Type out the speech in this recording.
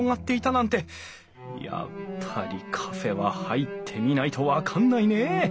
やっぱりカフェは入ってみないと分かんないねえ！